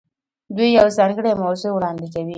دوی یوه ځانګړې موضوع وړاندې کوي.